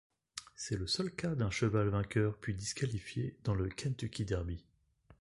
C'est le seul cas d'un cheval vainqueur puis disqualifié dans le Kentucky Derby.